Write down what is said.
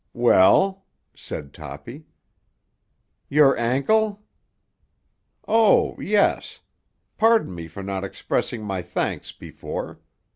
"Well?" said Toppy. "Your ankle?" "Oh, yes. Pardon me for not expressing my thanks before.